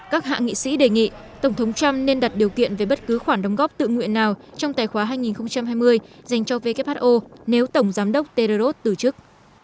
các hạ nghị sĩ đề nghị tổng thống trump nên đặt điều kiện về bất cứ khoản đóng góp tự nguyện nào trong tài khoá hai nghìn hai mươi dành cho who nếu tổng giám đốc tedros từ chức